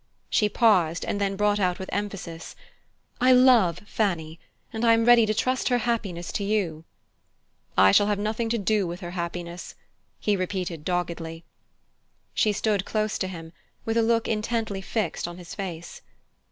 She paused, and then brought out with emphasis: "I love Fanny, and I am ready to trust her happiness to you." "I shall have nothing to do with her happiness," he repeated doggedly. She stood close to him, with a look intently fixed on his face.